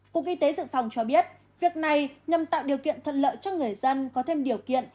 cục y tế dự phòng cho biết việc này nhằm tạo điều kiện thuận lợi cho người dân có thêm điều kiện